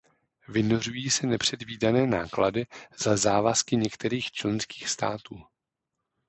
Vynořují se nepředvídané náklady za závazky některých členských států.